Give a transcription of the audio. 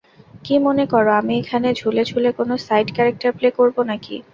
কি মনে করো, আমি এখানে ঝুলে ঝুলে কোন সাইড ক্যারেক্টার প্লে করবো নাকি?